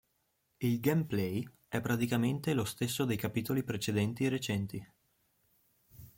Il Gameplay è praticamente lo stesso dei capitoli precedenti recenti.